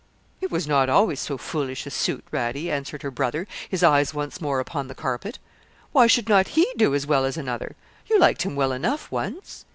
'It was not always so foolish a suit, Radie,' answered her brother, his eyes once more upon the carpet. 'Why should not he do as well as another? You liked him well enough once.'